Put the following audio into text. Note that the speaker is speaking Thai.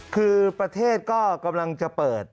คือประเทศก็กำลังจะเปิด